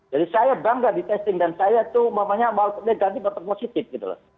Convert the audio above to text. jadi saya bangga di testing dan saya tuh maksudnya negatif atau positif gitu loh